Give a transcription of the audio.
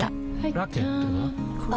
ラケットは？